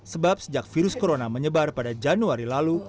sebab sejak virus corona menyebar pada januari lalu